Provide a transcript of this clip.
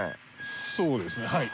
そうですねはい。